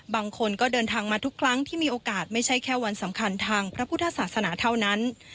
บางคนก็เดินทางมาทุกครั้งที่มีโอกาสไม่ใช่แค่วันสำคัญทางพระพุทธศาสนาเท่านั้น